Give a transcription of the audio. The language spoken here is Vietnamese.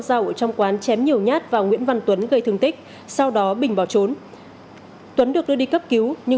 sau khi tiêu giải hết tiền